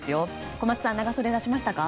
小松さん、長袖出しましたか。